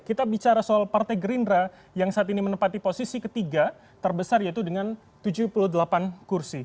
kita bicara soal partai gerindra yang saat ini menempati posisi ketiga terbesar yaitu dengan tujuh puluh delapan kursi